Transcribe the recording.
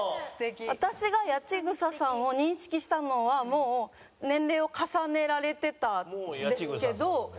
私が八千草さんを認識したのはもう年齢を重ねられてたんですけど。